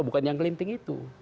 bukan yang gelinting itu